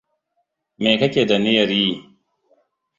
Me kake da niyar yi?